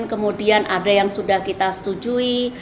kemudian ada yang sudah kita setujui